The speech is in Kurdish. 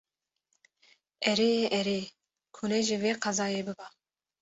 Erê, erê, ku ne ji vê qezayê biba